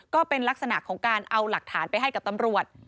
ก็เป็นลักษณะของการเอาหลักฐานไปให้กับตำรวจ